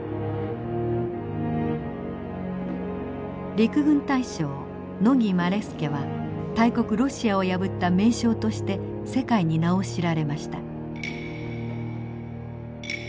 陸軍大将乃木希典は大国ロシアを破った名将として世界に名を知られました。